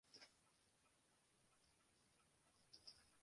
Ik ha de lêste dagen sa'n pine yn de rêch.